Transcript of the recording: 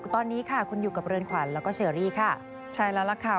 ตอนนี้ค่ะคุณอยู่กับเรือนขวัญแล้วก็เชอรี่ค่ะใช่แล้วล่ะค่ะ